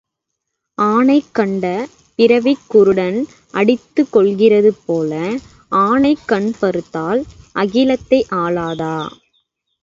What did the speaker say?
ஆனை கண்ட பிறவிக் குருடன் அடித்துக் கொள்கிறது போல, ஆனை கண் பருத்தால் அகிலத்தை ஆளாதா?